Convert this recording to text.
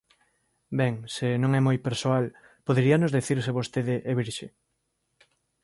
Ben, se non é moi persoal, poderíanos dicir se vostede é virxe?